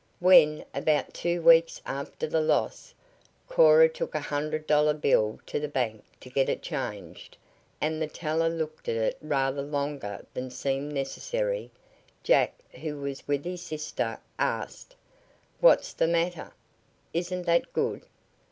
When, about two weeks after the loss, Cora took a hundred dollar bill to the bank to get it changed, and the teller looked at it rather longer than seemed necessary, Jack, who was with his sister, asked: "What's the matter? Isn't that good?"